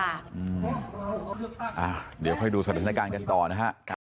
เดี๋ยวค่อยดูสถานการณ์กันต่อนะฮะ